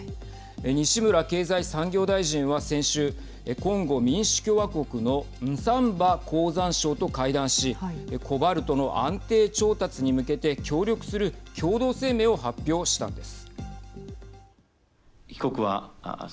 西村経済産業大臣は先週、コンゴ民主共和国のンサンバ鉱山相と会談しコバルトの安定調達に向けて協力する共同声明を発表したんです。